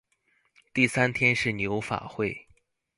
第三天是牛法会。